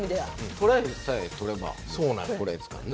トライさえ取ればこれですからね。